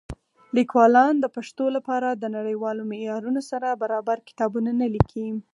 لیکوالان د پښتو لپاره د نړیوالو معیارونو سره برابر کتابونه نه لیکي.